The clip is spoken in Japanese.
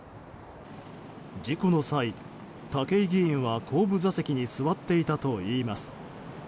事故の際、武井議員は後部座席に座っていたといいます。